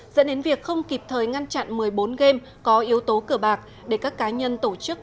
dẫn đến việc không kịp thời ngăn chặn một mươi bốn game có yếu tố cửa bạc để các cá nhân tổ chức